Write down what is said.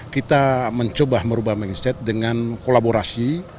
kita mencoba merubah mindset dengan kolaborasi